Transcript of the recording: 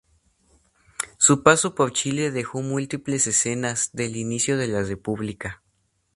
Su paso por Chile dejó múltiples escenas del inicio de la república.